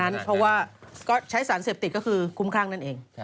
ขนาดนั้นเพราะว่าใช้สารเสพติดก็คือคุ้มข้างนั่นเอง